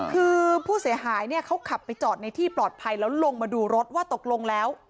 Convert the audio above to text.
คือผู้เสียหายเนี่ยเขาขับไปจอดในที่ปลอดภัยแล้วลงมาดูรถว่าตกลงแล้ว